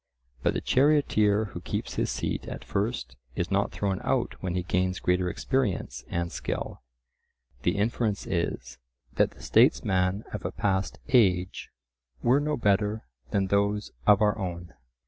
But the charioteer who keeps his seat at first is not thrown out when he gains greater experience and skill. The inference is, that the statesman of a past age were no better than those of our own.